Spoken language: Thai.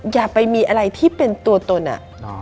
อย่าไปมีอะไรที่เป็นตัวตนอะ